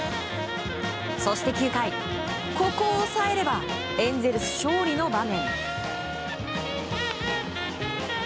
そして９回、ここを抑えればエンゼルス勝利の場面。